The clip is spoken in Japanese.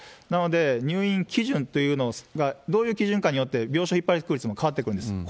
なので、入院基準というのが、どういう基準かによって、病床ひっ迫率も変わってくるんです。